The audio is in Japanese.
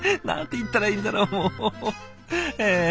何て言ったらいいんだろうもう。